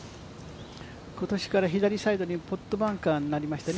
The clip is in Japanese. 今年から左サイドにポットバンカーになりましたね。